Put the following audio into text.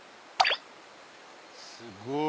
すごい。